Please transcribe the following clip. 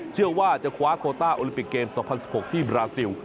เชื่อว่าจะคว้าโคต้าโอลิปิกเกม๒๐๑๖ที่บราซิล